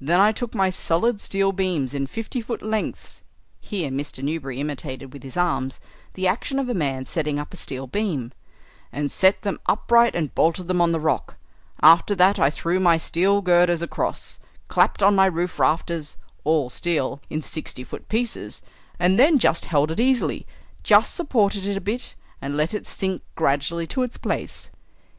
Then I took my solid steel beams in fifty foot lengths," here Mr. Newberry imitated with his arms the action of a man setting up a steel beam, "and set them upright and bolted them on the rock. After that I threw my steel girders across, clapped on my roof rafters, all steel, in sixty foot pieces, and then just held it easily, just supported it a bit, and let it sink gradually to its place."